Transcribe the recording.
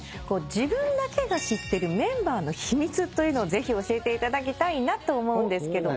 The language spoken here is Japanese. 自分だけが知ってるメンバーの秘密というのをぜひ教えていただきたいなと思うんですけど。